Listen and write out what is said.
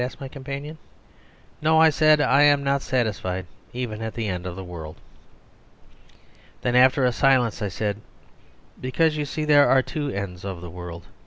asked my companion. "No," I said, "I am not satisfied even at the end of the world." Then, after a silence, I said, "Because you see there are two ends of the world.